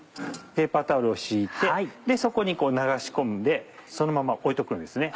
ペーパータオルを敷いてそこに流し込んでそのまま置いておくんですね。